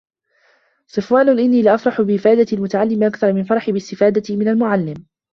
صَفْوَانَ إنِّي لَأَفْرَحُ بِإِفَادَتِي الْمُتَعَلِّمَ أَكْثَرَ مِنْ فَرَحِي بِاسْتِفَادَتِي مِنْ الْمُعَلِّمِ